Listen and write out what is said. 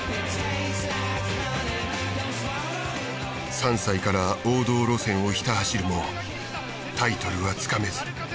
３歳から王道路線をひた走るもタイトルはつかめず。